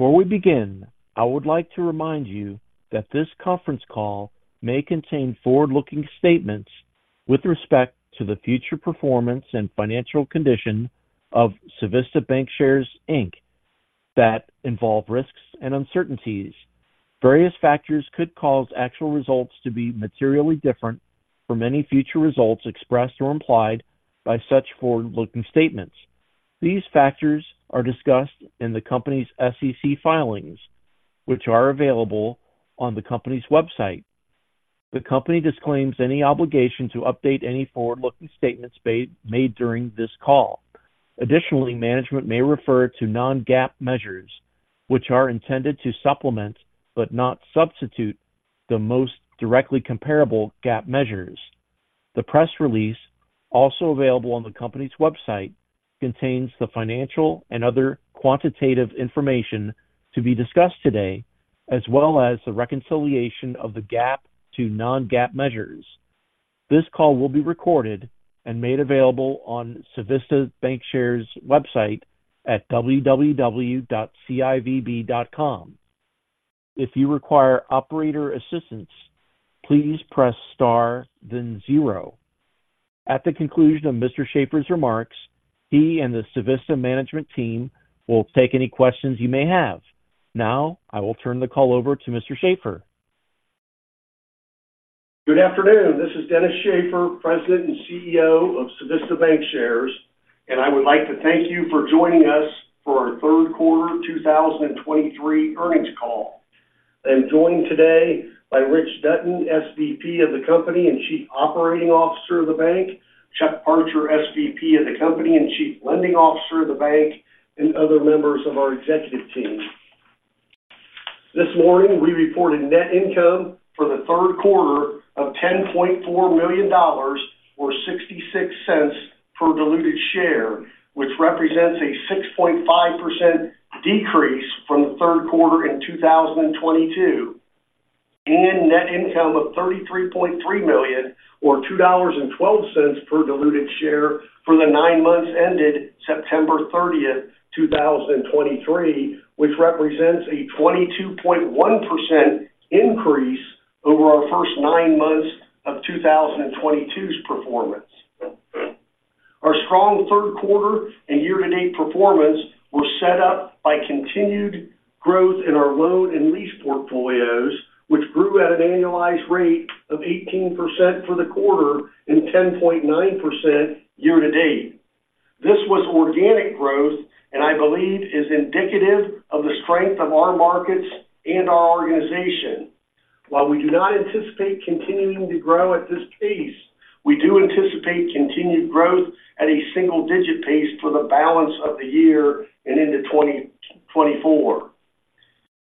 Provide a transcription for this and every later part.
Before we begin, I would like to remind you that this conference call may contain forward-looking statements with respect to the future performance and financial condition of Civista Bancshares, Inc., that involve risks and uncertainties. Various factors could cause actual results to be materially different from any future results expressed or implied by such forward-looking statements. These factors are discussed in the company's SEC filings, which are available on the company's website. The company disclaims any obligation to update any forward-looking statements made during this call. Additionally, management may refer to non-GAAP measures, which are intended to supplement, but not substitute, the most directly comparable GAAP measures. The press release, also available on the company's website, contains the financial and other quantitative information to be discussed today, as well as the reconciliation of the GAAP to non-GAAP measures. This call will be recorded and made available on Civista Bancshares' website at www.civb.com. If you require operator assistance, please press Star then zero. At the conclusion of Mr. Shaffer's remarks, he and the Civista management team will take any questions you may have. Now, I will turn the call over to Mr. Shaffer. Good afternoon. This is Dennis Shaffer, President and CEO of Civista Bancshares, and I would like to thank you for joining us for our third quarter 2023 earnings call. I am joined today by Rich Dutton, SVP of the company and Chief Operating Officer of the bank, Chuck Parcher, SVP of the company and Chief Lending Officer of the bank, and other members of our executive team. This morning, we reported net income for the third quarter of $10.4 million or $0.66 per diluted share, which represents a 6.5% decrease from the third quarter in 2022, and net income of $33.3 million or $2.12 per diluted share for the nine months September 30th, 2023, which represents a 22.1% increase over our first nine months of 2022's performance. Our strong third quarter and year-to-date performance were set up by continued growth in our loan and lease portfolios, which grew at an annualized rate of 18% for the quarter and 10.9% year to date. This was organic growth, and I believe is indicative of the strength of our markets and our organization. While we do not anticipate continuing to grow at this pace, we do anticipate continued growth at a single-digit pace for the balance of the year and into 2024.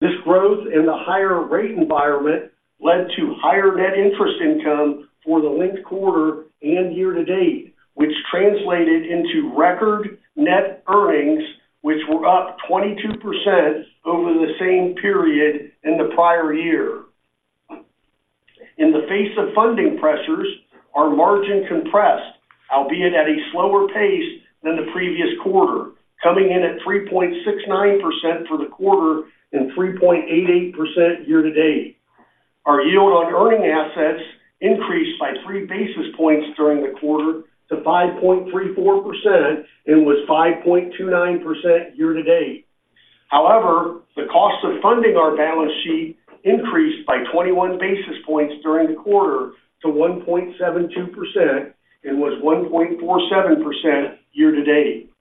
This growth in the higher rate environment led to higher net interest income for the linked quarter and year to date, which translated into record net earnings, which were up 22% over the same period in the prior year. In the face of funding pressures, our margin compressed, albeit at a slower pace than the previous quarter, coming in at 3.69% for the quarter and 3.88% year to date. Our yield on earning assets increased by 3 basis points during the quarter to 5.34% and was 5.29% year to date. However, the cost of funding our balance sheet increased by 21 basis points during the quarter to 1.72% and was 1.47% year to date.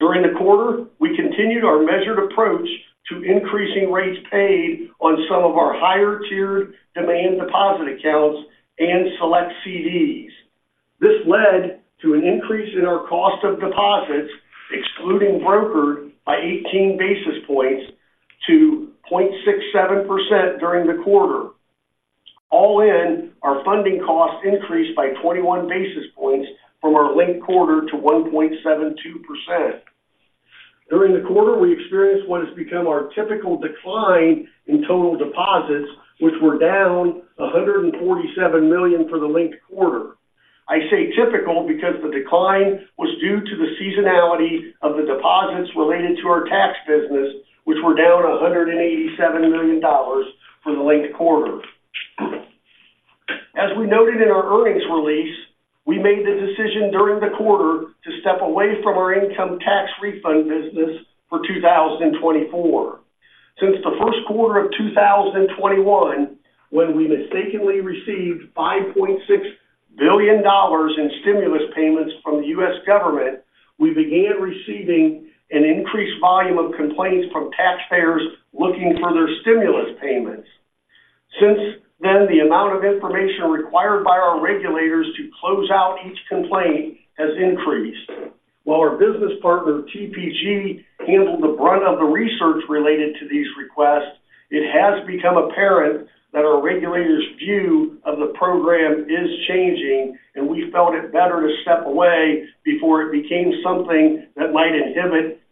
During the quarter, we continued our measured approach to increasing rates paid on some of our higher-tiered demand deposit accounts and select CDs. This led to an increase in our cost of deposits, excluding brokered, by 18 basis points to 0.67% during the quarter. All in, our funding costs increased by 21 basis points from our linked quarter to 1.72%. During the quarter, we experienced what has become our typical decline in total deposits, which were down $147 million for the linked quarter. I say typical because the decline was due to the seasonality of the deposits related to our tax business, which were down $187 million for the linked quarter. As we noted in our earnings release, we made the decision during the quarter to step away from our income tax refund business for 2024. Since the Q1 of 2021, when we mistakenly received $5.6 billion in stimulus payments from the U.S. government, we began receiving an increased volume of complaints from taxpayers looking for their stimulus payments. Since then, the amount of information required by our regulators to close out each complaint has increased. While our business partner, TPG, handled the brunt of the research related to these requests, it has become apparent that our regulators' view of the program is changing, and we felt it better to step away before it became something that might inhibit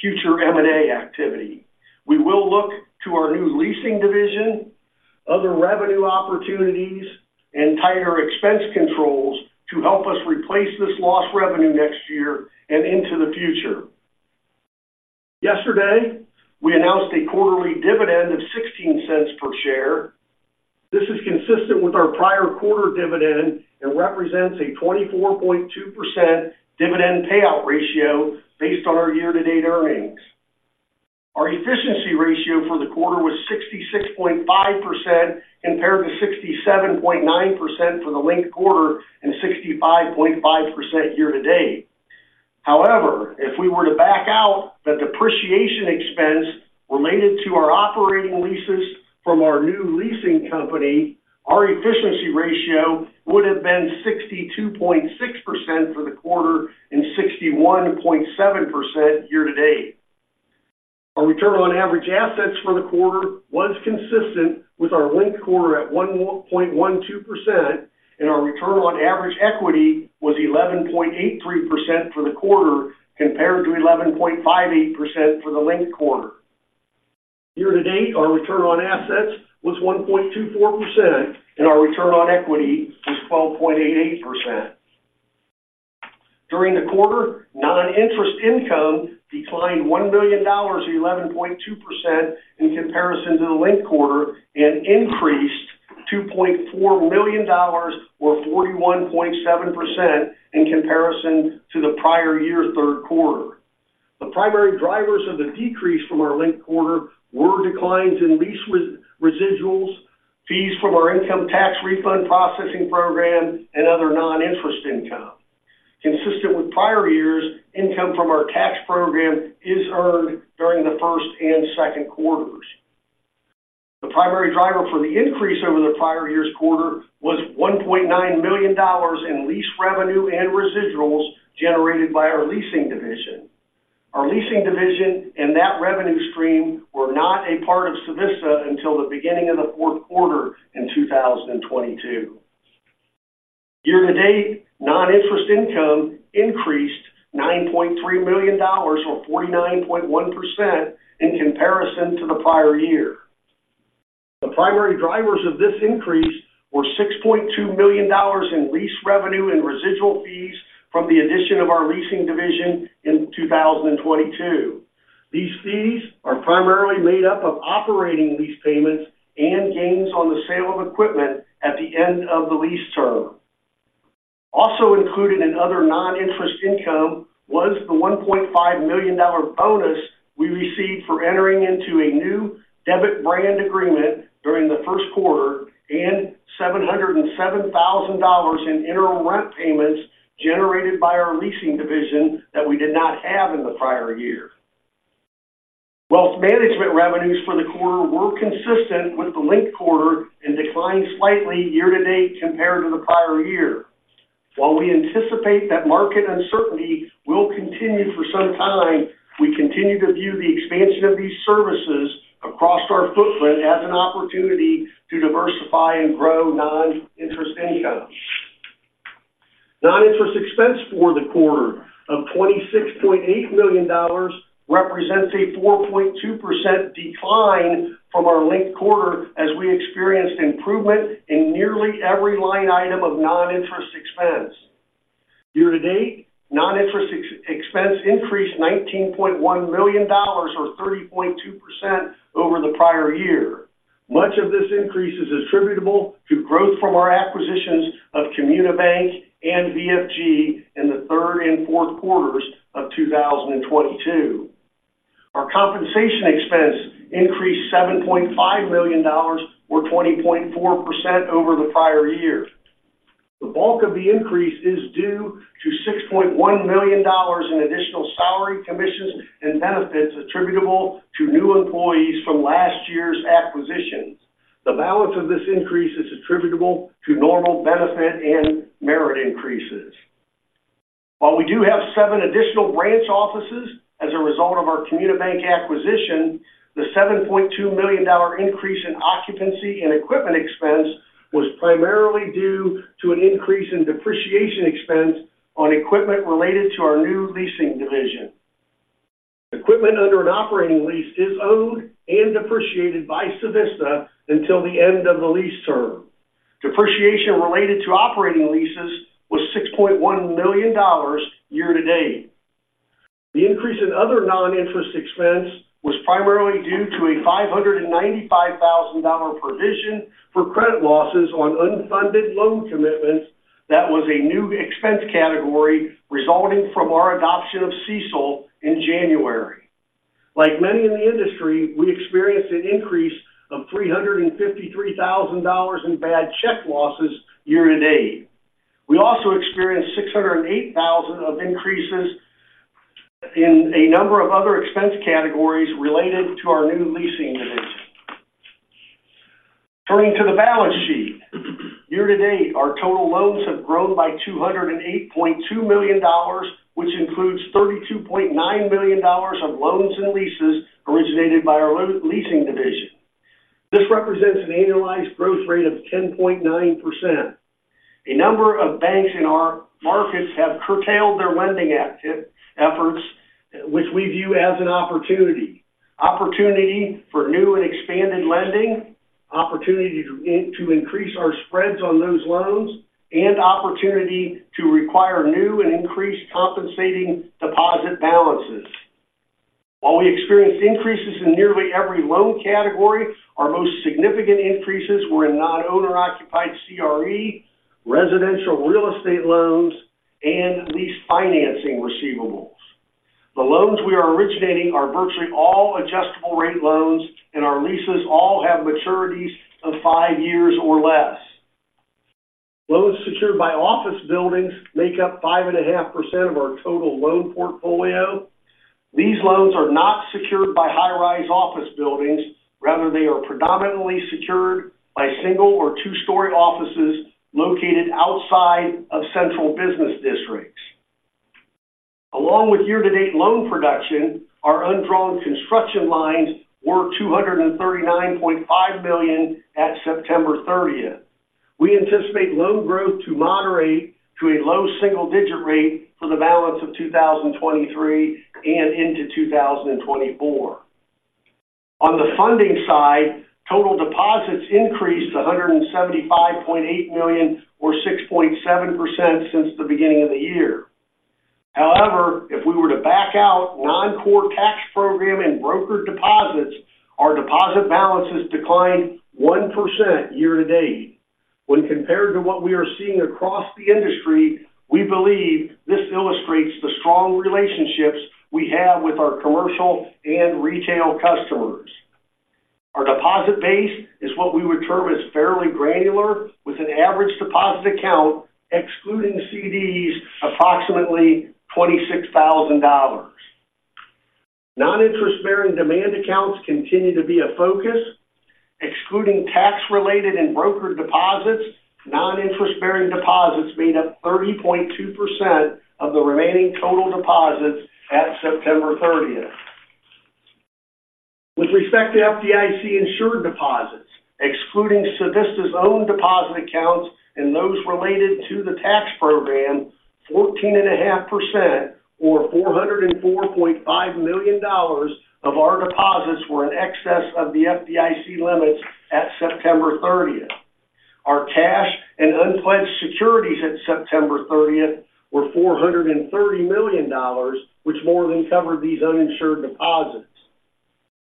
future M&A activity. We will look to our new leasing division, other revenue opportunities and tighter expense controls to help us replace this lost revenue next year and into the future. Yesterday, we announced a quarterly dividend of $0.16 per share. This is consistent with our prior quarter dividend and represents a 24.2% dividend payout ratio based on our year-to-date earnings. Our efficiency ratio for the quarter was 66.5%, compared to 67.9% for the linked quarter, and 65.5% year to date. However, if we were to back out the depreciation expense related to our operating leases from our new leasing company, our efficiency ratio would have been 62.6% for the quarter and 61.7% year to date. Our return on average assets for the quarter was consistent with our linked quarter at 1.12%, and our return on average equity was 11.83% for the quarter, compared to 11.58% for the linked quarter. Year to date, our return on assets was 1.24% and our return on equity was 12.88%. During the quarter, non-interest income declined $1 million or 11.2% in comparison to the linked quarter and increased $2.4 million or 41.7% in comparison to the prior year third quarter. The primary drivers of the decrease from our linked quarter were declines in lease residuals, fees from our income tax refund processing program, and other non-interest income. Consistent with prior years, income from our tax program is earned during the first and second quarters. The primary driver for the increase over the prior year's quarter was $1.9 million in lease revenue and residuals generated by our leasing division. Our leasing division and that revenue stream were not a part of Civista until the beginning of the fourth quarter in 2022. Year to date, non-interest income increased $9.3 million or 49.1% in comparison to the prior year. The primary drivers of this increase were $6.2 million in lease revenue and residual fees from the addition of our leasing division in 2022. These fees are primarily made up of operating lease payments and gains on the sale of equipment at the end of the lease term. Also included in other non-interest income was the $1.5 million dollar bonus we received for entering into a new debit brand agreement during the Q1, and $707,000 in interim rent payments generated by our leasing division that we did not have in the prior year. Wealth management revenues for the quarter were consistent with the linked quarter and declined slightly year to date compared to the prior year. While we anticipate that market uncertainty will continue for some time, we continue to view the expansion of these services across our footprint as an opportunity to diversify and grow non-interest income. Non-interest expense for the quarter of $26.8 million represents a 4.2% decline from our linked quarter, as we experienced improvement in nearly every line item of non-interest expense. Year to date, non-interest expense increased $19.1 million or 30.2% over the prior year. Much of this increase is attributable to growth from our acquisitions of Communibanc and VFG in the third and fourth quarters of 2022. Our compensation expense increased $7.5 million or 20.4% over the prior year. The bulk of the increase is due to $6.1 million in additional salary, commissions, and benefits attributable to new employees from last year's acquisitions. The balance of this increase is attributable to normal benefit and merit increases. While we do have seven additional branch offices as a result of our Communibanc acquisition, the $7.2 million increase in occupancy and equipment expense was primarily due to an increase in depreciation expense on equipment related to our new leasing division. Equipment under an operating lease is owned and depreciated by Civista until the end of the lease term. Depreciation related to operating leases was $6.1 million year to date. The increase in other non-interest expense was primarily due to a $595,000 provision for credit losses on unfunded loan commitments. That was a new expense category resulting from our adoption of CECL in January. Like many in the industry, we experienced an increase of $353,000 in bad check losses year to date. We also experienced $608,000 of increases in a number of other expense categories related to our new leasing division. Turning to the balance sheet. Year to date, our total loans have grown by $208.2 million, which includes $32.9 million of loans and leases originated by our leasing division. This represents an annualized growth rate of 10.9%.... A number of banks in our markets have curtailed their lending activities, which we view as an opportunity. Opportunity for new and expanded lending, opportunity to increase our spreads on those loans, and opportunity to require new and increased compensating deposit balances. While we experienced increases in nearly every loan category, our most significant increases were in non-owner occupied CRE, residential real estate loans, and lease financing receivables. The loans we are originating are virtually all adjustable rate loans, and our leases all have maturities of five years or less. Loans secured by office buildings make up 5.5% of our total loan portfolio. These loans are not secured by high-rise office buildings, rather they are predominantly secured by single or two-story offices located outside of central business districts. Along with year-to-date loan production, our undrawn construction lines were $239.5 million at September 30th. We anticipate loan growth to moderate to a low single digit rate for the balance of 2023 and into 2024. On the funding side, total deposits increased to $175.8 million, or 6.7% since the beginning of the year. However, if we were to back out noncore tax program and brokered deposits, our deposit balances declined 1% year-to-date. When compared to what we are seeing across the industry, we believe this illustrates the strong relationships we have with our commercial and retail customers. Our deposit base is what we would term as fairly granular, with an average deposit account excluding CDs, approximately $26,000. Non-interest bearing demand accounts continue to be a focus. Excluding tax-related and brokered deposits, non-interest-bearing deposits made up 30.2% of the remaining total deposits September 30th. With respect to FDIC-insured deposits, excluding Civista's own deposit accounts and those related to the tax program, 14.5% or $404.5 million of our deposits were in excess of the FDIC limits September 30th. Our cash and unpledged securities September 30th were $430 million, which more than covered these uninsured deposits.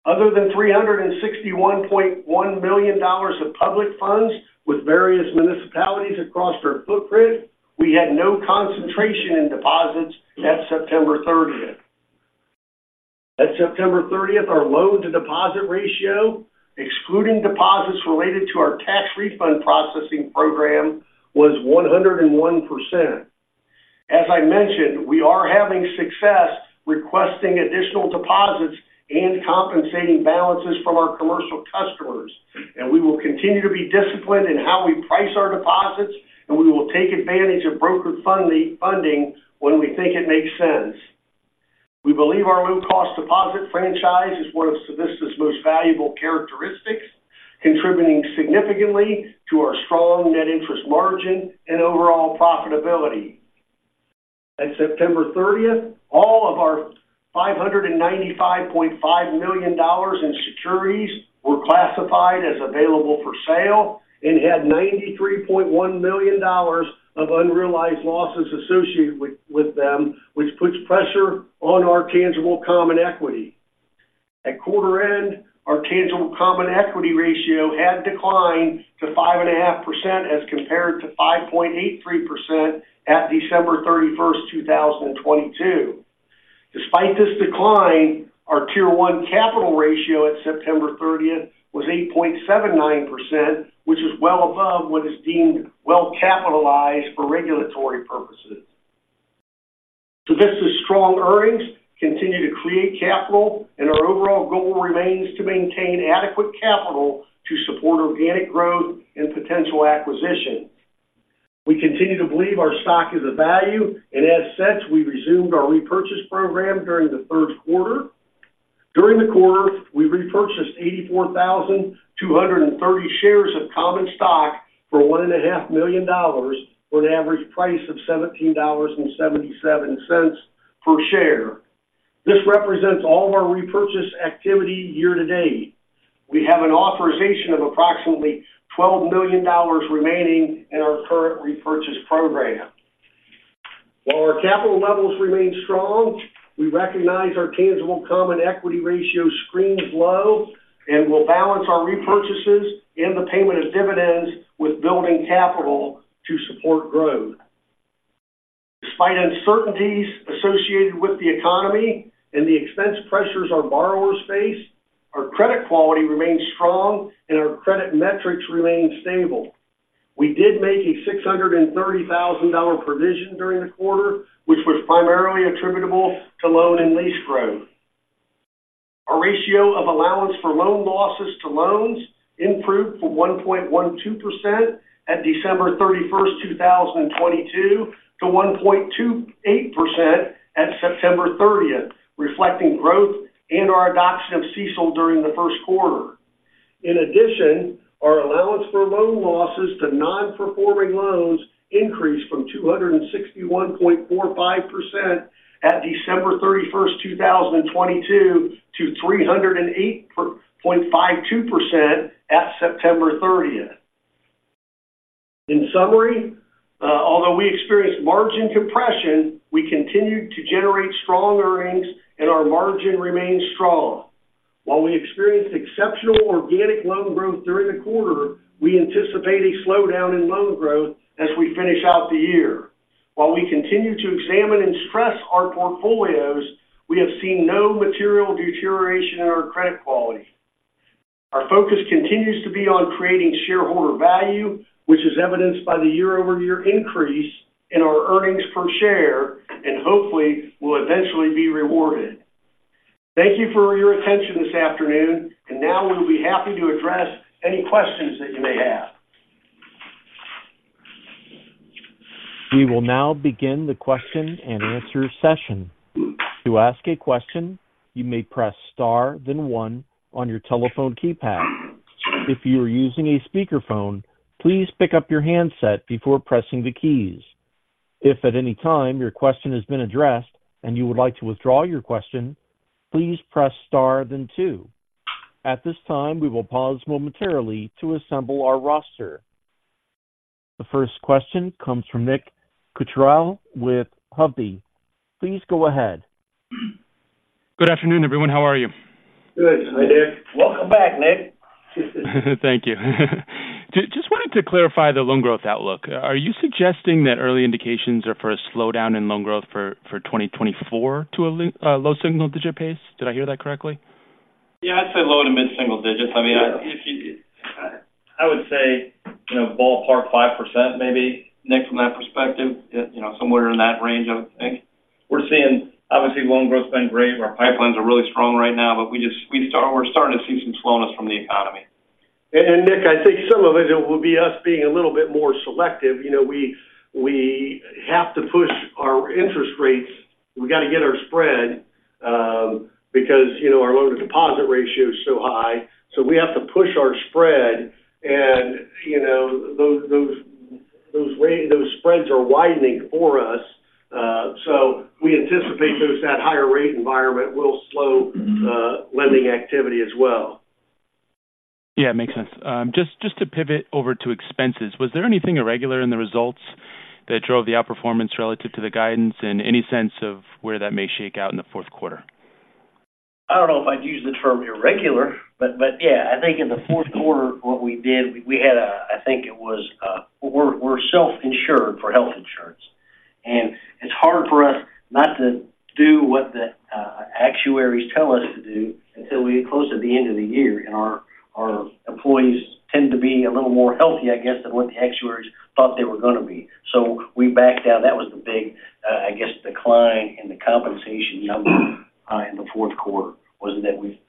Other than $361.1 million of public funds with various municipalities across our footprint, we had no concentration in deposits September 30th. September 30th, our loan-to-deposit ratio, excluding deposits related to our tax refund processing program, was 101%. As I mentioned, we are having success requesting additional deposits and compensating balances from our commercial customers, and we will continue to be disciplined in how we price our deposits, and we will take advantage of brokered funding, funding when we think it makes sense. We believe our low-cost deposit franchise is one of Civista's most valuable characteristics, contributing significantly to our strong net interest margin and overall profitability. At September 30th, all of our $595.5 million in securities were classified as available for sale and had $93.1 million of unrealized losses associated with them, which puts pressure on our tangible common equity. At quarter end, our tangible common equity ratio had declined to 5.5%, as compared to 5.83% at December 31st, 2022. Despite this decline, our Tier 1 capital ratio at September 30th was 8.79%, which is well above what is deemed well capitalized for regulatory purposes. Civista's strong earnings continue to create capital, and our overall goal remains to maintain adequate capital to support organic growth and potential acquisition. We continue to believe our stock is a value, and as such, we resumed our repurchase program during the third quarter. During the quarter, we repurchased 84,230 shares of common stock for $1.5 million, with an average price of $17.77 per share. This represents all of our repurchase activity year to date. We have an authorization of approximately $12 million remaining in our current repurchase program. While our capital levels remain strong, we recognize our tangible common equity ratio screens low and will balance our repurchases and the payment of dividends with building capital to support growth. Despite uncertainties associated with the economy and the expense pressures our borrowers face, our credit quality remains strong and our credit metrics remain stable. We did make a $630,000 provision during the quarter, which was primarily attributable to loan and lease growth. Our ratio of allowance for loan losses to loans improved from 1.12% at December 31st, 2022, to 1.28% at September 30th, reflecting growth and our adoption of CECL during Q1. in addition, our allowance for loan losses to non-performing loans increased from 261.45% at December 31st, 2022, to 308.52% at September 30th. In summary, although we experienced margin compression, we continued to generate strong earnings, and our margin remains strong. While we experienced exceptional organic loan growth during the quarter, we anticipate a slowdown in loan growth as we finish out the year. While we continue to examine and stress our portfolios, we have seen no material deterioration in our credit quality. Our focus continues to be on creating shareholder value, which is evidenced by the year-over-year increase in our earnings per share, and hopefully will eventually be rewarded. Thank you for your attention this afternoon, and now we will be happy to address any questions that you may have. We will now begin the question and answer session. To ask a question, you may press Star, then one on your telephone keypad. If you are using a speakerphone, please pick up your handset before pressing the keys. If at any time your question has been addressed and you would like to withdraw your question, please press Star then two. At this time, we will pause momentarily to assemble our roster. The first question comes from Nick Cucharale with Hovde Group. Please go ahead. Good afternoon, everyone. How are you? Good. Hi there. Welcome back, Nick. Thank you. Just wanted to clarify the loan growth outlook. Are you suggesting that early indications are for a slowdown in loan growth for 2024 to a low single digit pace? Did I hear that correctly? Yeah, I'd say low to mid single digits. I mean, I would say, you know, ballpark 5% maybe, Nick, from that perspective, you know, somewhere in that range, I would think. We're seeing... Obviously, loan growth has been great. Our pipelines are really strong right now, but we just, we're starting to see some slowness from the economy. And Nick, I think some of it will be us being a little bit more selective. You know, we have to push our interest rates. We got to get our spread, because, you know, our loan to deposit ratio is so high, so we have to push our spread and, you know, those spreads are widening for us, so we anticipate that higher rate environment will slow lending activity as well. Yeah, makes sense. Just, just to pivot over to expenses, was there anything irregular in the results that drove the outperformance relative to the guidance and any sense of where that may shake out in the fourth quarter? I don't know if I'd use the term irregular, but yeah, I think in the fourth quarter, what we did, we had, I think it was, we're self-insured for health insurance, and it's hard for us not to do what the actuaries tell us to do until we get close to the end of the year, and our employees tend to be a little more healthy, I guess, than what the actuaries thought they were going to be. So we backed down. That was the big, I guess, decline in the compensation number in the fourth quarter, was that we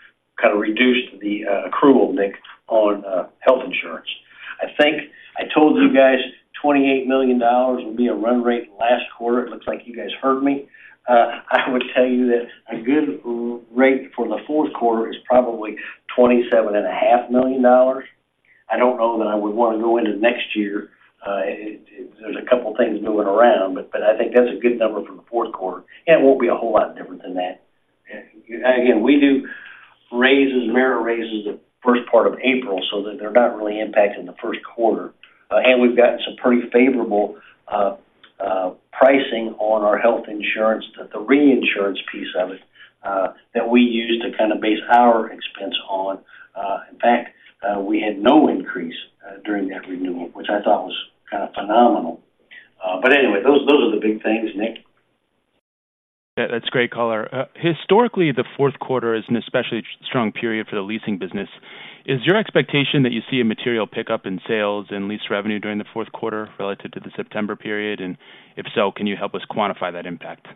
kind of reduced the accrual, Nick, on health insurance. I think I told you guys $28 million would be a run rate last quarter. It looks like you guys heard me. I would tell you that a good run rate for the fourth quarter is probably $27.5 million. I don't know that I would want to go into next year. It, there's a couple things moving around, but, but I think that's a good number for the fourth quarter, and it won't be a whole lot different than that. Again, we do raises, merit raises the first part of April, so that they're not really impacting the Q1. And we've gotten some pretty favorable pricing on our health insurance, the reinsurance piece of it, that we use to kind of base our expense on. In fact, we had no increase during that renewal, which I thought was kind of phenomenal. But anyway, those are the big things, Nick. Yeah, that's great color. Historically, the fourth quarter is an especially strong period for the leasing business. Is your expectation that you see a material pickup in sales and lease revenue during the fourth quarter relative to the September period? And if so, can you help us quantify that impact?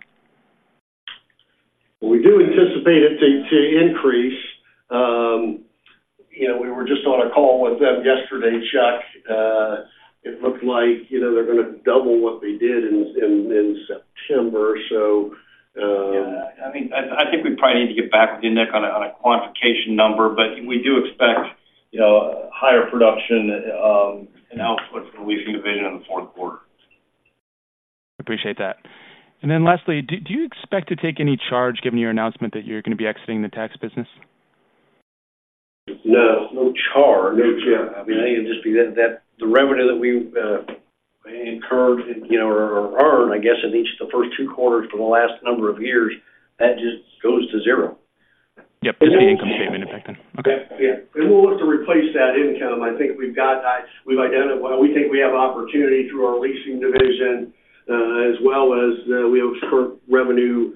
We do anticipate it to increase. You know, we were just on a call with them yesterday, Chuck. It looked like, you know, they're going to double what they did in September. So, Yeah, I think we probably need to get back with you, Nick, on a quantification number, but we do expect, you know, higher production and output for the leasing division in the fourth quarter. Appreciate that. And then lastly, do you expect to take any charge, given your announcement that you're going to be exiting the tax business? No. No charge. No, yeah. I mean, it'll just be that the revenue that we incurred, you know, or earned, I guess, in each of the first two quarters for the last number of years, that just goes to zero. Yep. It's the income statement effect then. Okay. Yeah. In order to replace that income, I think we've got, we think we have opportunity through our leasing division, as well as, we have current revenue.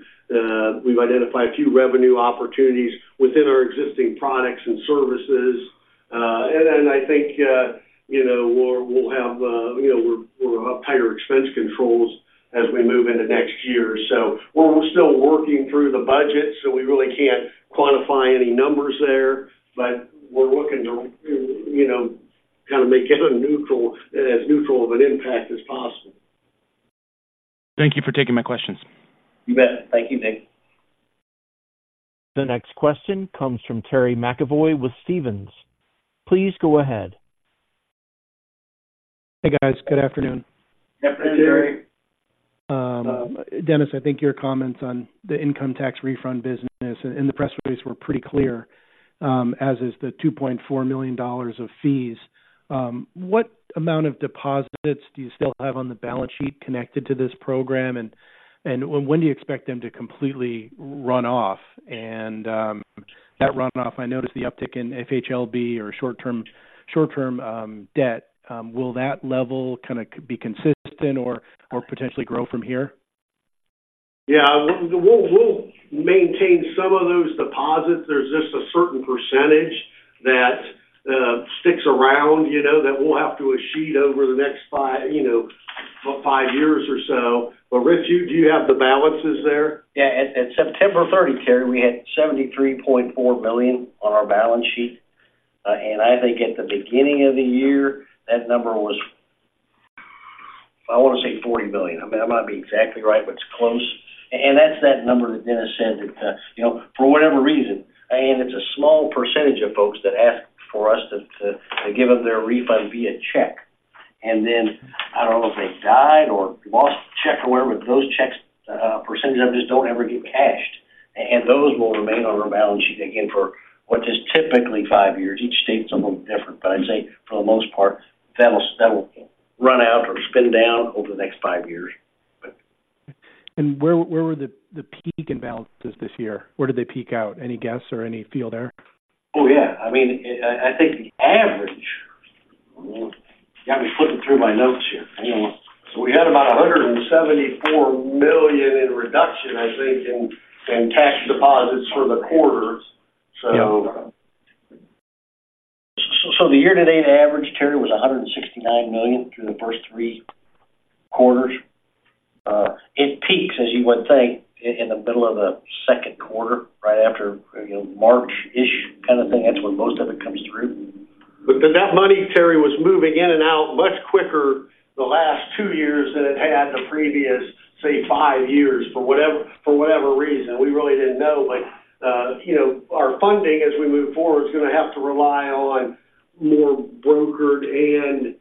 We've identified a few revenue opportunities within our existing products and services. And then I think, you know, we'll, we'll have, you know, we're, we're higher expense controls as we move into next year. So we're still working through the budget, so we really can't quantify any numbers there, but we're looking to, you know, kind of make it a neutral, as neutral of an impact as possible. Thank you for taking my questions. You bet. Thank you, Nick. The next question comes from Terry McEvoy with Stephens. Please go ahead. Hey, guys. Good afternoon. Good afternoon. Dennis, I think your comments on the income tax refund business and the press release were pretty clear, as is the $2.4 million of fees. What amount of deposits do you still have on the balance sheet connected to this program, and when do you expect them to completely run off? And, that runoff, I noticed the uptick in FHLB or short-term debt. Will that level kind of be consistent or potentially grow from here? Yeah, we'll maintain some of those deposits. There's just a certain percentage that sticks around, you know, that we'll have to shed over the next five, you know, five years or so. But, Rich, do you have the balances there? Yeah. At September 30th, Terry, we had $73.4 million on our balance sheet. And I think at the beginning of the year, that number was... I want to say $40 million. I might not be exactly right, but it's close. And that's that number that Dennis said that, you know, for whatever reason, and it's a small percentage of folks that ask for us to give them their refund via check. And then I don't know if they died or lost the check or whatever, but those checks, percentage of just don't ever get cashed, and those will remain on our balance sheet again for what is typically five years. Each state's a little different, but I'd say for the most part, that'll, that'll run out or spin down over the next five years. Where were the peak imbalances this year? Where did they peak out? Any guess or any feel there? Oh, yeah. I mean, I, I think the average, you got me flipping through my notes here. We had about $174 million in reduction, I think, in, in tax deposits for the quarter so- Yeah. So the year-to-date average, Terry, was $169 million through the first three quarters. It peaks, as you would think, in the middle of the Q2, right after, you know, March-ish kind of thing. That's when most of it comes through. But then that money, Terry, was moving in and out much quicker the last two years than it had the previous, say, five years, for whatever, for whatever reason. We really didn't know, but, you know, our funding as we move forward is going to have to rely on more brokered and,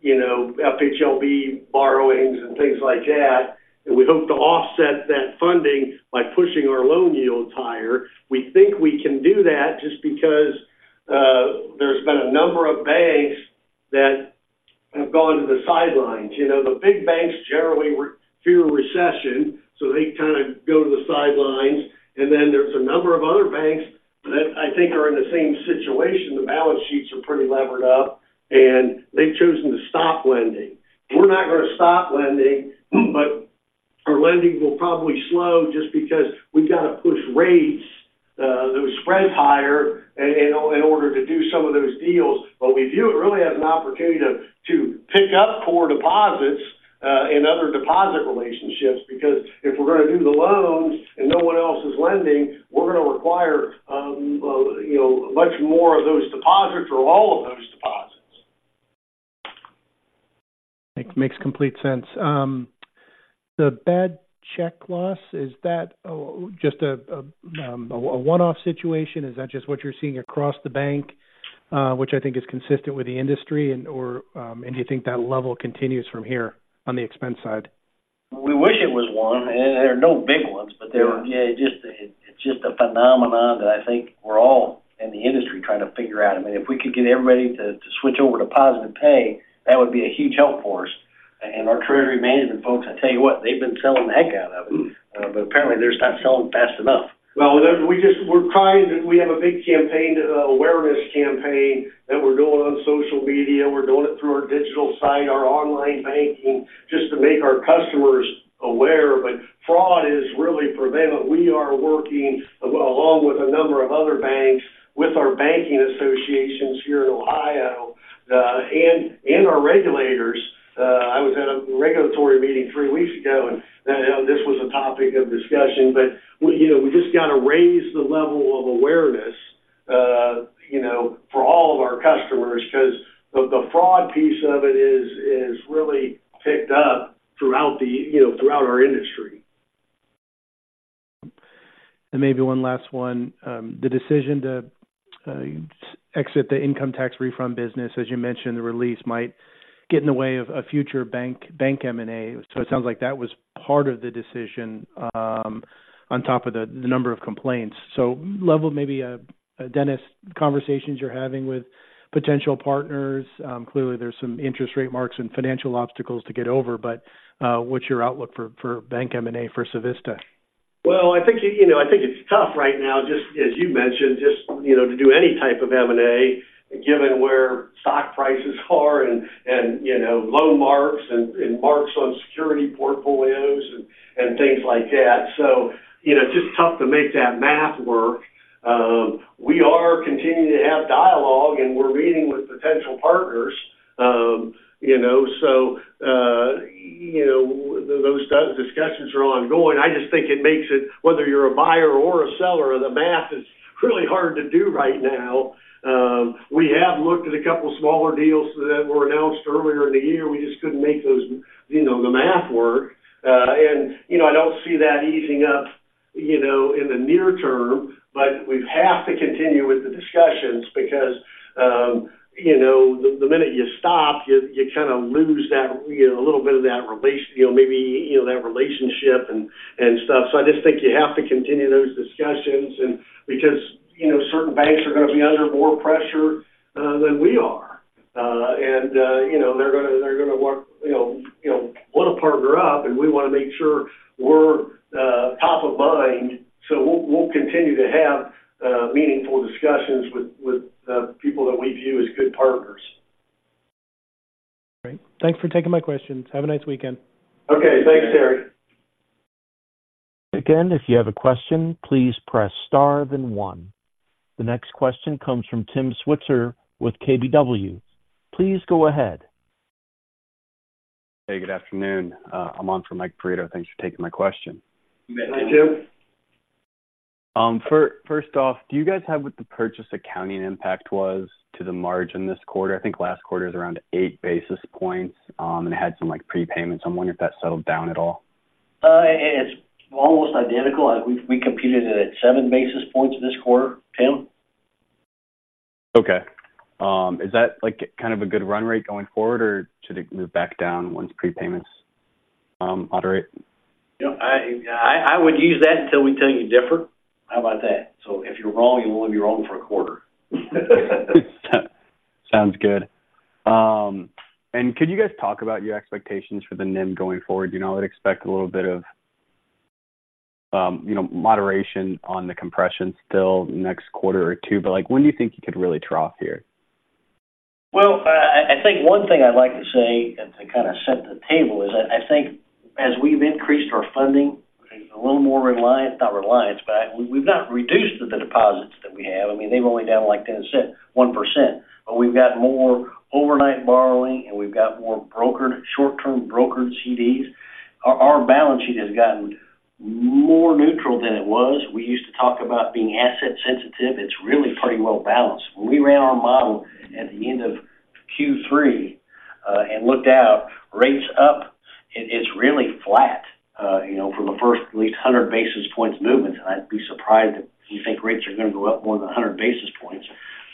you know, FHLB borrowings and things like that. And we hope to offset that funding by pushing our loan yields higher. We think we can do that just because there's been a number of banks that have gone to the sidelines. You know, the big banks generally fear recession, so they kind of go to the sidelines, and then there's a number of other banks And our treasury management folks, I tell you what, they've been selling the heck out of them, but apparently, they're just not selling fast enough. Well, we just, we're trying. We have a big campaign, awareness campaign, that we're doing on social media. We're doing it through our digital site, our online banking, just to make our customers aware. But fraud is really prevalent. We are working along with a number of other banks, with our banking associations here in Ohio, and our regulators. I was at a regulatory meeting three weeks ago, and this was a topic of discussion, but you know, we just got to raise the level of awareness, you know, for all of our customers, because the fraud piece of it is really picked up throughout, you know, throughout our industry. Maybe one last one. The decision to exit the income tax refund business, as you mentioned in the release, might get in the way of a future bank, bank M&A. So it sounds like that was part of the decision, on top of the number of complaints. So level maybe, Dennis, conversations you're having with potential partners. Clearly there's some interest rate marks and financial obstacles to get over, but what's your outlook for bank M&A for Civista? Well, I think, you know, I think it's tough right now, just as you mentioned, just, you know, to do any type of M&A, given where stock prices are and, and, you know, loan marks and, and marks on security portfolios and, and things like that. So, you know, it's just tough to make that math work. We are continuing to have dialogue, and we're meeting with potential partners. You know, so, you know, those discussions are ongoing. I just think it makes it, whether you're a buyer or a seller, the math is really hard to do right now. We have looked at a couple of smaller deals that were announced earlier in the year. We just couldn't make those, you know, the math work. And, you know, I don't see that easing up. You know, in the near term, but we have to continue with the discussions because, you know, the minute you stop, you kind of lose that, you know, a little bit of that relation, you know, maybe, you know, that relationship and, and stuff. So I just think you have to continue those discussions and because, you know, certain banks are going to be under more pressure than we are. And, you know, they're gonna want, you know, want to partner up, and we want to make sure we're top of mind. So we'll continue to have meaningful discussions with people that we view as good partners. Great. Thanks for taking my questions. Have a nice weekend. Okay. Thanks, Terry. Again, if you have a question, please press star then one. The next question comes from Tim Switzer with KBW. Please go ahead. Hey, good afternoon. I'm on for Mike Perito. Thanks for taking my question. Hi, Tim. First off, do you guys have what the purchase accounting impact was to the margin this quarter? I think last quarter was around 8 basis points, and had some, like, prepayments. I'm wondering if that settled down at all. It's almost identical. We computed it at seven basis points this quarter, Tim. Okay. Is that, like, kind of a good run rate going forward, or should it move back down once prepayments moderate? You know, I would use that until we tell you different. How about that? So if you're wrong, you'll only be wrong for a quarter. Sounds good. And could you guys talk about your expectations for the NIM going forward? You know, I'd expect a little bit of, you know, moderation on the compression still next quarter or two, but, like, when do you think you could really trough here? Well, I think one thing I'd like to say, and to kind of set the table, is that I think as we've increased our funding, a little more reliant, not reliant, but we've not reduced the deposits that we have. I mean, they've only down, like, $0.10, 1%, but we've got more overnight borrowing, and we've got more brokered, short-term brokered CDs. Our balance sheet has gotten more neutral than it was. We used to talk about being asset sensitive. It's really pretty well balanced. When we ran our model at the end of Q3 and looked out, rates up, it's really flat, you know, for the first at least 100 basis points movement. I'd be surprised if you think rates are going to go up more than a 100 basis points.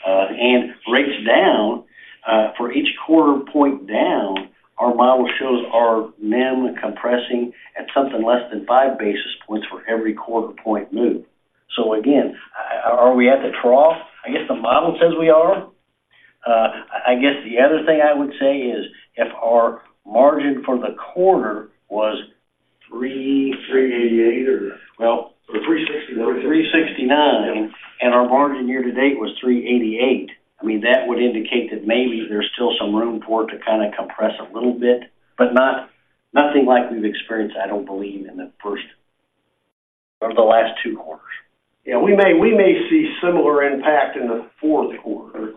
And rates down, for each quarter point down, our model shows our NIM compressing at something less than 5 basis points for every quarter point move. So again, are we at the trough? I guess the model says we are. I guess the other thing I would say is if our margin for the quarter was 3.88, or well 3.60. 3.69, and our margin year to date was 3.88, I mean, that would indicate that maybe there's still some room for it to kind of compress a little bit, but nothing like we've experienced, I don't believe, in the first, or the last two quarters. Yeah, we may see similar impact in the fourth quarter,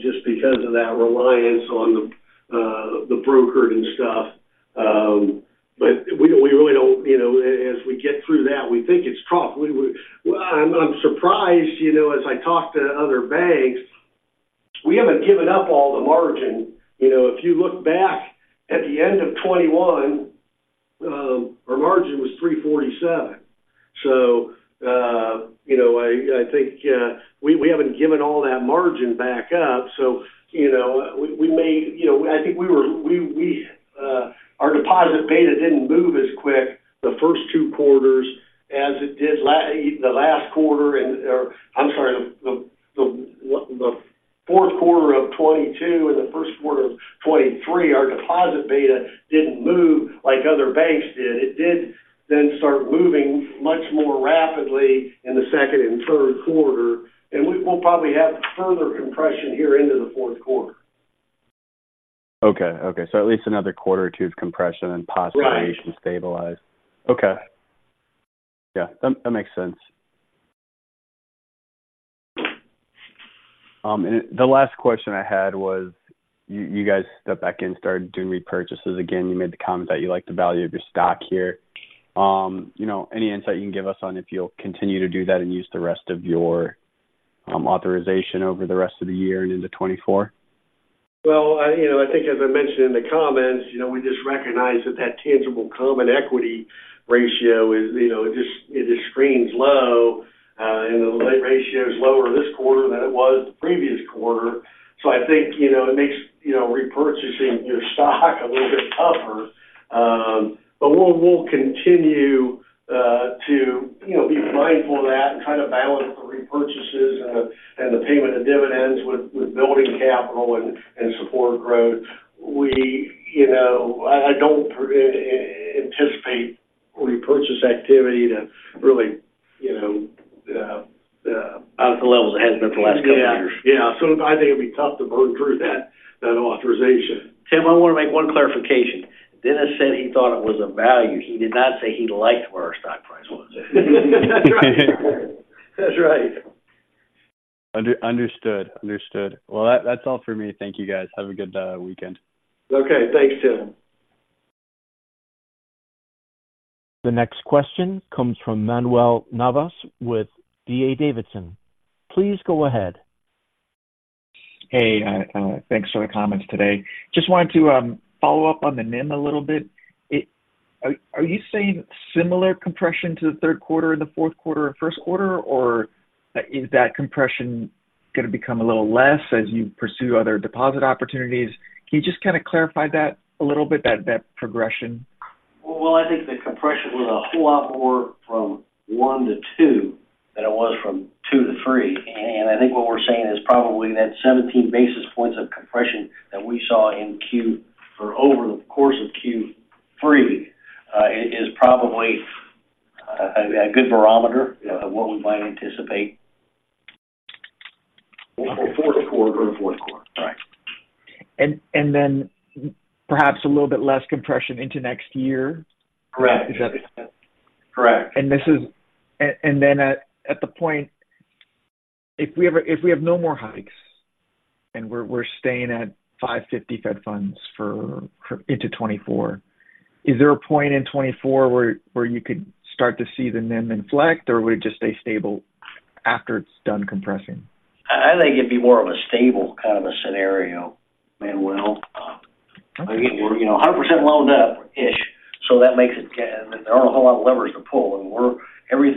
just because of that reliance on the, the brokered and stuff. But we really don't, you know, as we get through that, we think it's trough. We, I'm surprised, you know, as I talk to other banks, we haven't given up all the margin. You know, if you look back at the end of 2021, our margin was 3.47. So, you know, I think we haven't given all that margin back up, so, you know, we may, you know, I think we were, our deposit beta didn't move as quick the first two quarters as it did last, the last quarter and, or I'm sorry, the fourth quarter of 2022 and the first quarter of 2023, our deposit beta didn't move like other banks did. It did then start moving much more rapidly in the second and third quarter, and we will probably have further compression here into the fourth quarter. Okay. Okay, so at least another quarter or two of compression and possibly- Right. -stabilize. Okay. Yeah, that makes sense. And the last question I had was, you guys stepped back in and started doing repurchases again. You made the comment that you like the value of your stock here. You know, any insight you can give us on if you'll continue to do that and use the rest of your authorization over the rest of the year and into 2024? Well, you know, I think as I mentioned in the comments, you know, we just recognize that that Tangible Common Equity ratio is, you know, it just, it just screams low, and the ratio is lower this quarter than it was the previous quarter. So I think, you know, it makes, you know, repurchasing your stock a little bit tougher. But we'll continue to, you know, be mindful of that and try to balance the repurchases and the payment of dividends with building capital and support growth. We, you know, I don't anticipate repurchase activity to really, you know, out of the levels it has been for the last couple of years. Yeah. So I think it'd be tough to burn through that authorization. Tim, I want to make one clarification. Dennis said he thought it was of value. He did not say he liked where our stock price was. That's right. Understood. Understood. Well, that's all for me. Thank you, guys. Have a good weekend. Okay. Thanks, Tim. The next question comes from Manuel Navas with D.A. Davidson. Please go ahead. Hey, thanks for the comments today. Just wanted to follow up on the NIM a little bit. Are you seeing similar compression to the third quarter and the fourth quarter or first quarter, or is that compression going to become a little less as you pursue other deposit opportunities? Can you just kind of clarify that a little bit, that progression? Well, I think the compression was a whole lot more from one to two than it was from two to three. And I think what we're saying is probably that 17 basis points of compression that we saw in Q3 or over the course of Q3 is probably a good barometer of what we might anticipate. For Q4. For Q4. Right. And then perhaps a little bit less compression into next year? Correct. Is that- Correct. And then at the point, if we have no more hikes and we're staying at 5.50 Fed funds for into 2024, is there a point in 2024 where you could start to see the NIM inflect, or would it just stay stable after it's done compressing? I think it'd be more of a stable kind of a scenario, Manuel. We're, you know, 100% loaded up-ish, so that makes it, there aren't a whole lot of levers to pull, and we're every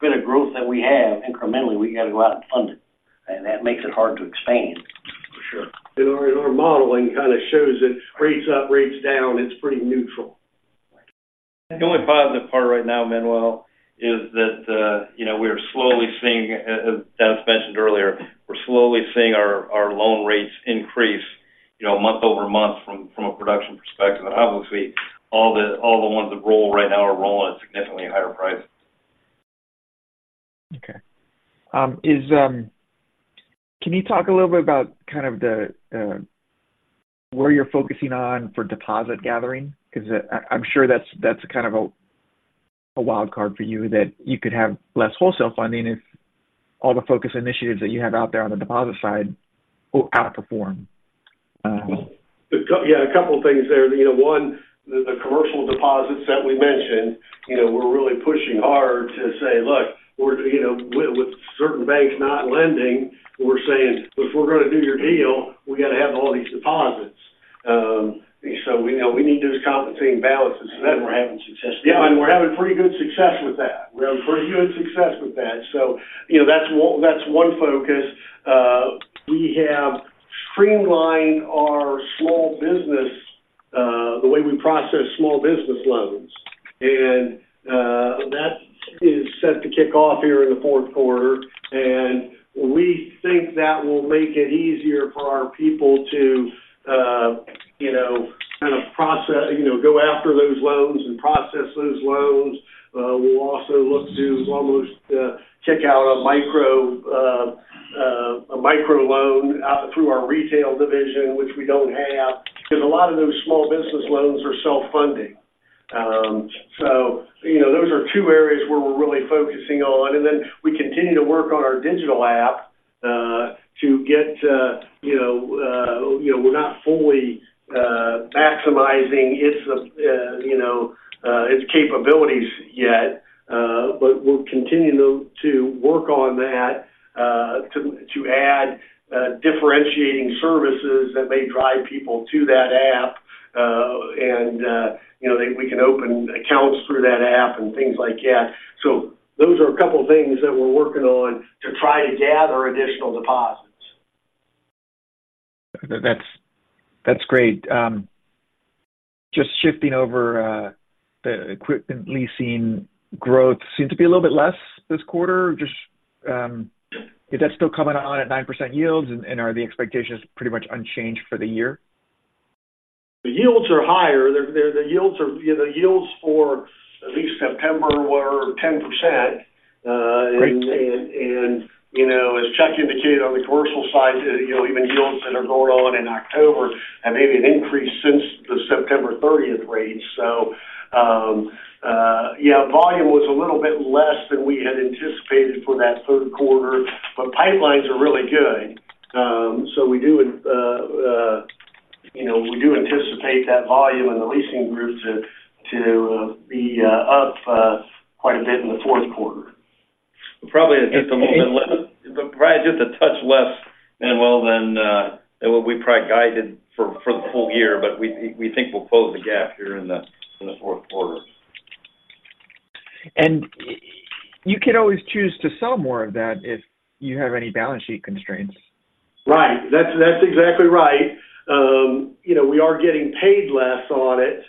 bit of growth that we have, incrementally, we got to go out and fund it, and that makes it hard to expand. For sure. And our modeling kind of shows that rates up, rates down, it's pretty neutral. The only positive part right now, Manuel, is that, you know, we are slowly seeing, as mentioned earlier, we're slowly seeing our loan rates increase, you know, month-over-month from a production perspective. And obviously, all the ones that roll right now are rolling at significantly higher prices. Okay. Can you talk a little bit about kind of where you're focusing on for deposit gathering? Because I'm sure that's kind of a wild card for you, that you could have less wholesale funding if all the focus initiatives that you have out there on the deposit side will outperform. Yeah, a couple of things there. You know, one, the commercial deposits that we mentioned, you know, we're really pushing hard to say, look, we're, you know, with certain banks not lending, we're saying, if we're going to do your deal, we got to have all these deposits. So, you know, we need those compensating balances. And we're having success. Yeah, and we're having pretty good success with that. We're having pretty good success with that. So, you know, that's one, that's one focus. We have streamlined our small business, the way we process small business loans. And, that is set to kick off here in the fourth quarter, and we think that will make it easier for our people to, you know, kind of process, you know, go after those loans and process those loans. We'll also look to almost roll out a micro, a micro loan out through our retail division, which we don't have, because a lot of those small business loans are self-funding. So, you know, those are two areas where we're really focusing on, and then we continue to work on our digital app to get you know, we're not fully maximizing its capabilities yet. But we'll continue to work on that to add differentiating services that may drive people to that app. And, you know, we can open accounts through that app and things like that. So those are a couple of things that we're working on to try to gather additional deposits. That's, that's great. Just shifting over, the equipment leasing growth seemed to be a little bit less this quarter. Just, is that still coming on at 9% yields? And are the expectations pretty much unchanged for the year? The yields are higher. The yields for at least September were 10%. Great. You know, as Chuck indicated on the commercial side, you know, even yields that are going on in October have made an increase since the September thirtieth rate. So, yeah, volume was a little bit less than we had anticipated for that third quarter, but pipelines are really good. So we do, you know, we do anticipate that volume in the leasing group to be up quite a bit in the fourth quarter. Probably just a little bit less, but probably just a touch less, Manuel, than what we probably guided for the full year, but we think we'll close the gap here in the fourth quarter. You can always choose to sell more of that if you have any balance sheet constraints. Right. That's, that's exactly right. You know, we are getting paid less on it,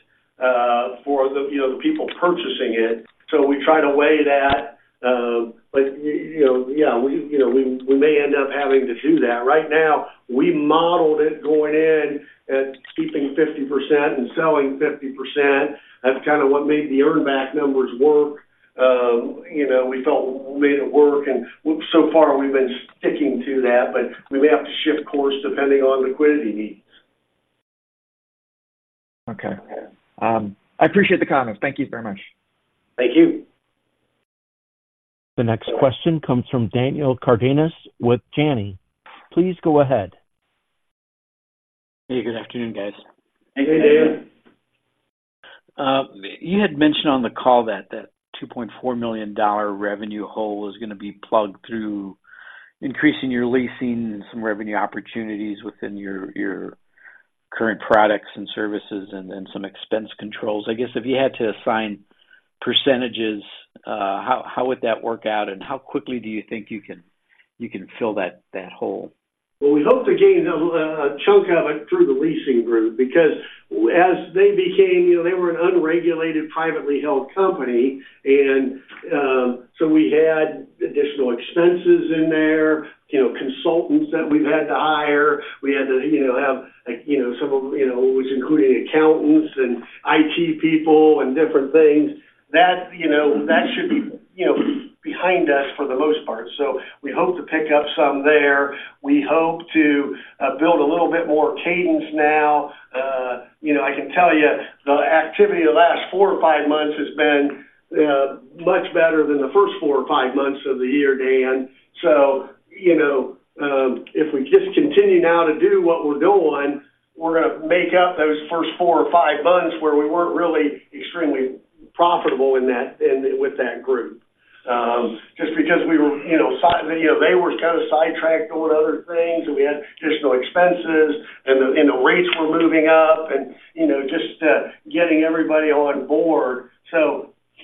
for the, you know, the people purchasing it, so we try to weigh that. But, you know, yeah, we, you know, we may end up having to do that. Right now, we modeled it going in and keeping 50% and selling 50%. That's kind of what made the earn back numbers work. You know, we felt made it work, and so far, we've been sticking to that, but we may have to shift course depending on liquidity needs. Okay. I appreciate the comments. Thank you very much. Thank you. The next question comes from Daniel Cardenas with Janney. Please go ahead.... Hey, good afternoon, guys. Hey, Dan. You had mentioned on the call that, that $2.4 million revenue hole was gonna be plugged through increasing your leasing and some revenue opportunities within your, your current products and services and, and some expense controls. I guess, if you had to assign percentages, how, how would that work out, and how quickly do you think you can, you can fill that, that hole? Well, we hope to gain a chunk of it through the leasing group because as they became, you know, they were an unregulated, privately held company, and so we had additional expenses in there, you know, consultants that we've had to hire. We had to, you know, have, like, you know, some of, you know, which included accountants and IT people and different things. That, you know, that should be, you know, behind us for the most part. So we hope to pick up some there. We hope to build a little bit more cadence now. You know, I can tell you the activity the last four or five months has been much better than the first four or five months of the year, Dan. You know, if we just continue now to do what we're doing, we're gonna make up those first four or five months where we weren't really extremely profitable in that, with that group. Just because we were, you know, they were kind of sidetracked on other things, and we had additional expenses, and the rates were moving up and, you know, just getting everybody on board.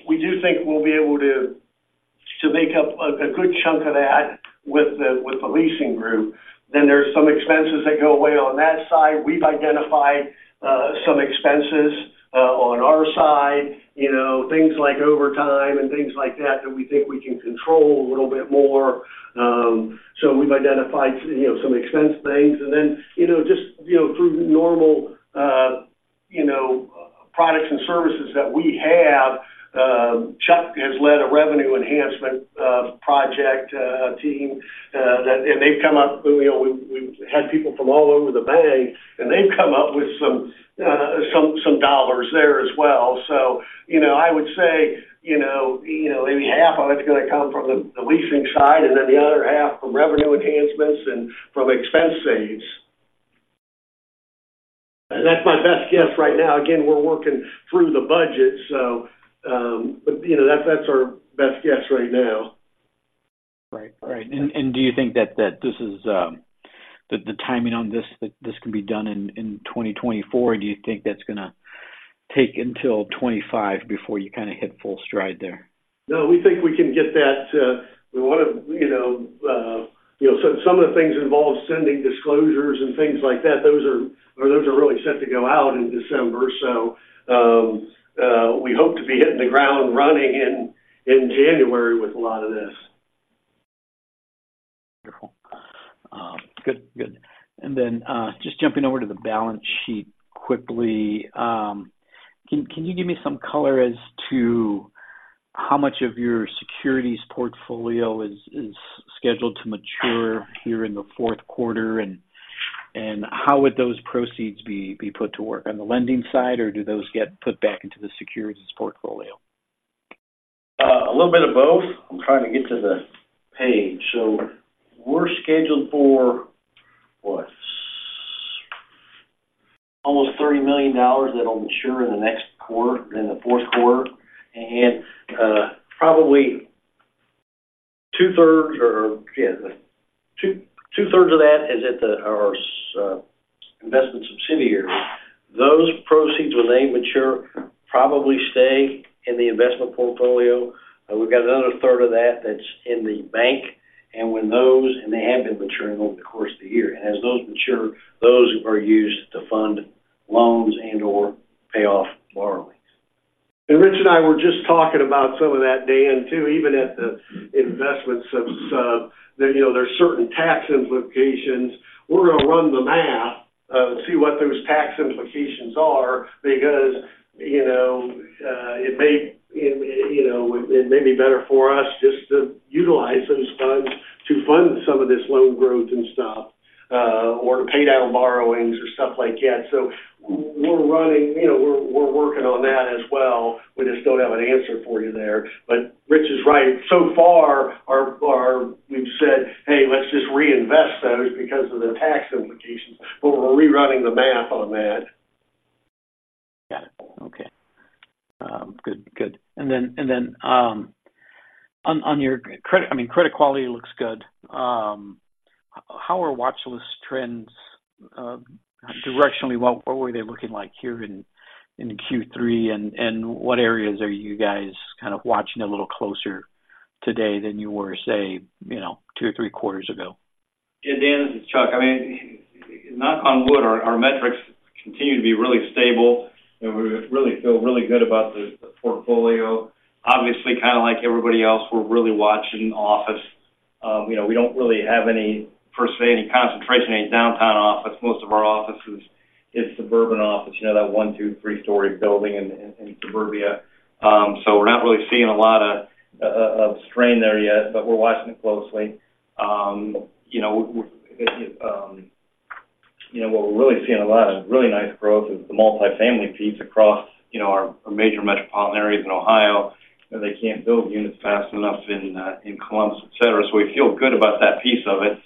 We do think we'll be able to make up a good chunk of that with the leasing group. There's some expenses that go away on that side. We've identified some expenses on our side, you know, things like overtime and things like that, that we think we can control a little bit more. So we've identified, you know, some expense things and then, you know, just, you know, through normal, you know, products and services that we have, Chuck has led a revenue enhancement project team that. And they've come up, you know, we've had people from all over the bank, and they've come up with some dollars there as well. So, you know, I would say, you know, maybe half of it's gonna come from the leasing side, and then the other half from revenue enhancements and from expense saves. And that's my best guess right now. Again, we're working through the budget, so, but, you know, that's our best guess right now. Right. Right. And do you think that this is, that the timing on this, that this can be done in 2024? Or do you think that's gonna take until 2025 before you kind of hit full stride there? No, we think we can get that, we want to, you know, you know, some, some of the things involve sending disclosures and things like that. Those are, those are really set to go out in December, so, we hope to be hitting the ground running in, in January with a lot of this. Wonderful. Good, good. And then, just jumping over to the balance sheet quickly. Can you give me some color as to how much of your securities portfolio is scheduled to mature here in the fourth quarter? And how would those proceeds be put to work, on the lending side, or do those get put back into the securities portfolio? A little bit of both. I'm trying to get to the page. So we're scheduled for, what? almost $30 million that'll mature in the next quarter, in the fourth quarter. And probably two-thirds of that is at our investment subsidiary. Those proceeds, when they mature, probably stay in the investment portfolio. We've got another third of that that's in the bank, and when those mature, they have been maturing over the course of the year. And as those mature, those are used to fund loans and/or pay off borrowings. And Rich and I were just talking about some of that, Dan, too, even at the investment sub, you know, there are certain tax implications. We're gonna run the math to see what those tax implications are because, you know, it may, it, you know, it may be better for us just to utilize those funds to fund some of this loan growth and stuff, or to pay down borrowings or stuff like that. So we're running, you know, we're working on that as well. We just don't have an answer for you there. But Rich is right. So far, we've said, "Hey, let's just reinvest those because of the tax implications," but we're rerunning the math on that. Got it. Okay. Good, good. And then, on your credit, I mean, credit quality looks good. How are watchlist trends, directionally, what were they looking like here in Q3? And what areas are you guys kind of watching a little closer today than you were, say, you know, two or three quarters ago? Yeah, Dan, this is Chuck. I mean, knock on wood, our metrics continue to be really stable, and we really feel really good about the portfolio. Obviously, kind of like everybody else, we're really watching office. You know, we don't really have any, per se, any concentration in downtown office. Most of our offices is suburban office, you know, that one, two, three-story building in Suburbia. So we're not really seeing a lot of strain there yet, but we're watching it closely. You know, what we're really seeing a lot of really nice growth is the multifamily piece across, you know, our major metropolitan areas in Ohio, and they can't build units fast enough in Columbus, et cetera. So we feel good about that piece of it.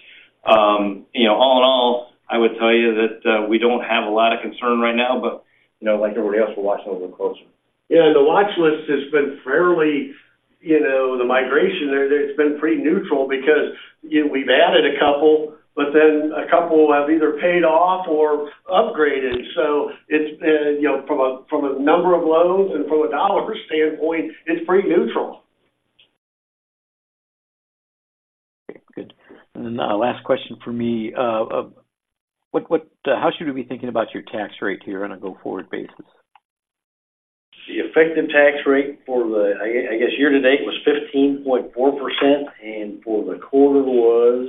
You know, all in all, I would tell you that we don't have a lot of concern right now, but, you know, like everybody else, we're watching a little closer. Yeah, the watchlist has been fairly, you know, the migration there. It's been pretty neutral because, you know, we've added a couple, but then a couple have either paid off or upgraded. So it's been, you know, from a, from a number of loans and from a dollar standpoint, it's pretty neutral. Okay, good. And then, last question for me. How should we be thinking about your tax rate here on a go-forward basis? The effective tax rate for the, I guess, year to date was 15.4%, and for the quarter was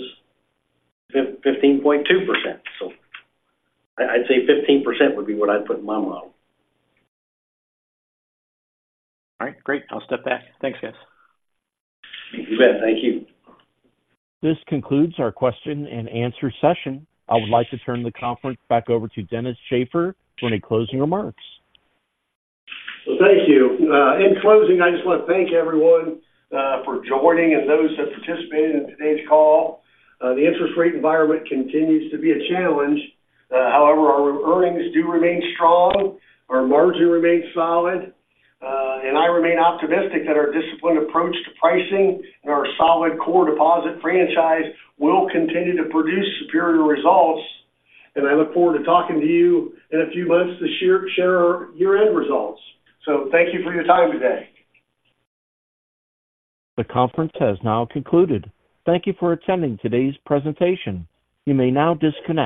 fifteen point two percent. So I, I'd say 15% would be what I'd put in my model. All right, great. I'll step back. Thanks, guys. You bet. Thank you. This concludes our question-and-answer session. I would like to turn the conference back over to Dennis Shaffer for any closing remarks. Well, thank you. In closing, I just want to thank everyone for joining and those that participated in today's call. The interest rate environment continues to be a challenge. However, our earnings do remain strong, our margin remains solid, and I remain optimistic that our disciplined approach to pricing and our solid core deposit franchise will continue to produce superior results. And I look forward to talking to you in a few months to share, share our year-end results. So thank you for your time today. The conference has now concluded. Thank you for attending today's presentation. You may now disconnect.